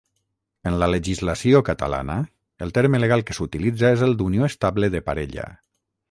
En la legislació catalana, el terme legal que s'utilitza és el d'unió estable de parella.